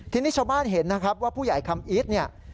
ทีนี้ชาวบ้านเห็นว่าผู้ใหญ่คำอิส